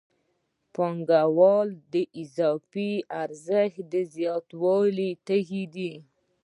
پانګوال د اضافي ارزښت د زیاتوالي تږی دی